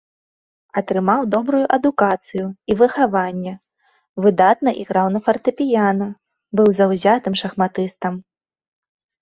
Атрымаў добрую адукацыю і выхаванне, выдатна іграў на фартэпіяна, быў заўзятым шахматыстам.